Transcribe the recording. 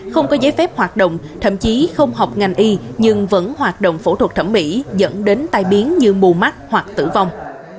không có giấy phép hoạt động thậm chí không học ngành y nhưng vẫn hoạt động phẫu thuật thẩm mỹ dẫn đến tai biến như mù mắt hoặc tử vong